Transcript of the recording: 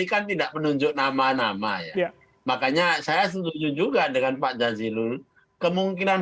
kan tidak menunjuk nama nama ya makanya saya setuju juga dengan pak jazilul kemungkinan